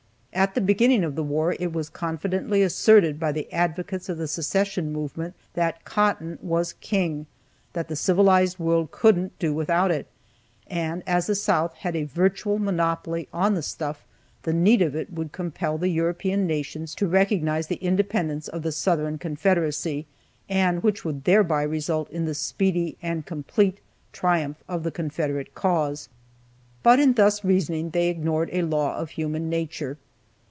At the beginning of the war, it was confidently asserted by the advocates of the secession movement that "Cotton was king;" that the civilized world couldn't do without it, and as the South had a virtual monopoly of the stuff, the need of it would compel the European nations to recognize the independence of the Southern Confederacy, and which would thereby result in the speedy and complete triumph of the Confederate cause. But in thus reasoning they ignored a law of human nature.